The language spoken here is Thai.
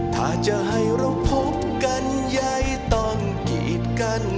ถ้าจะให้เราพบกันใยต้องกีดกัน